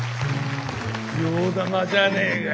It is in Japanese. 上玉じゃねえか。